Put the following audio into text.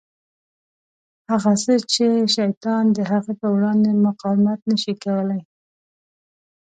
هغه څه چې شیطان د هغه په وړاندې مقاومت نه شي کولای.